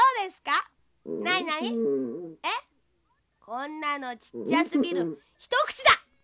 こんなのちっちゃすぎるひとくちだ！